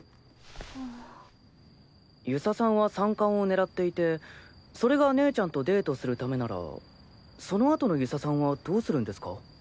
遊佐さんは三冠を狙っていてそれが姉ちゃんとデートするためならそのあとの遊佐さんはどうするんですか？